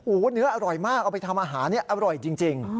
โอ้โหเนื้ออร่อยมากเอาไปทำอาหารนี่อร่อยจริง